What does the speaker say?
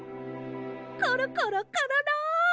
コロコロコロロ！